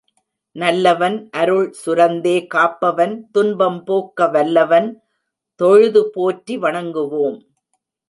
நல்லவன் அருள் சுரந்தே காப்பவன் துன்பம் போக்க வல்லவன் தொழுது போற்றி வணங்குவோம்.